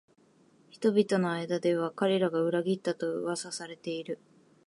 人々の間では彼らが裏切ったと噂されている